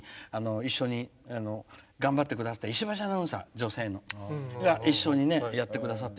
一緒に頑張ってくださった石橋アナウンサー、女性の一緒に、やってくださって。